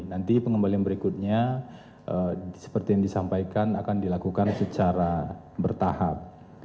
nanti pengembalian berikutnya seperti yang disampaikan akan dilakukan secara bertahap